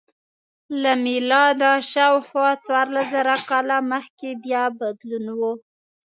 له میلاده شاوخوا څوارلس زره کاله مخکې بیا بدلون و